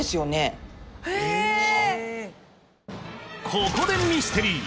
ここでミステリー